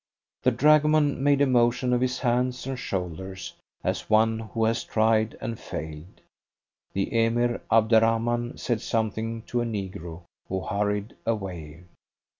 The dragoman made a motion of his hands and shoulders, as one who has tried and failed. The Emir Abderrahman said something to a negro, who hurried away.